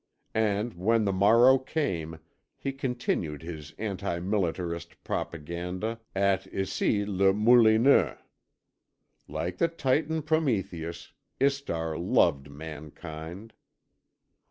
And when the morrow came he continued his anti militarist propaganda at Issy les Moulineaux. Like the Titan Prometheus, Istar loved mankind.